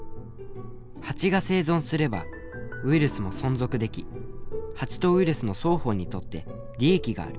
ハチが生存すればウイルスも存続できハチとウイルスの双方にとって利益がある。